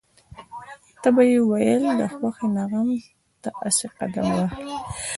تل به يې ويل د خوښۍ نه غم ته اسې قدم واخله.